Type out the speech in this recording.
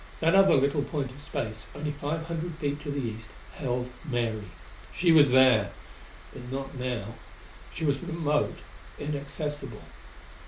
That other little point of space only five hundred feet to the east held Mary; she was there; but not now. She was remote, inaccessible.